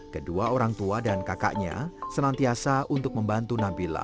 kedua orang tua dan kakaknya senantiasa untuk membantu nabila